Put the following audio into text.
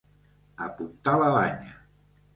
Apuntar la banya.